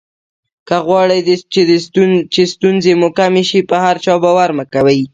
که غواړی چې ستونزې مو کمې شي په هر چا باور مه کوئ.